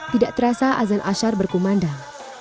tidak terasa azan asyar berkumandang